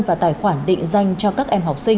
và tài khoản định danh cho các em học sinh